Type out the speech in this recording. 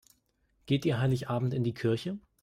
Geht ihr Heiligabend in die Kirche?